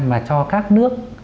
mà cho các nước